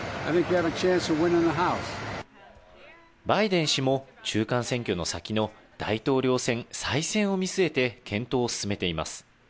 バイデン氏も、中間選挙の先の大統領選再選を見据えて検討を進めています。